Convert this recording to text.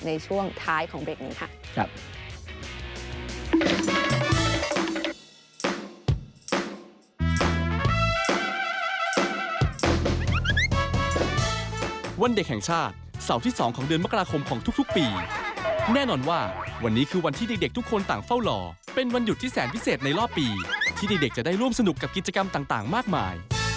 ในช่วงท้ายของเบรกนี้ค่ะ